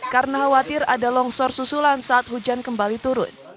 karena khawatir ada longsor susulan saat hujan kembali turun